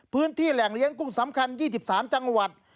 พื้นที่แหล่งเลี้ยงกุ้งสำคัญ๒๓จังหวัด